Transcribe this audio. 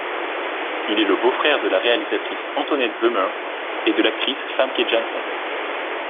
Il est le beau-frère de la réalisatrice Antoinette Beumer et de l'actrice Famke Janssen.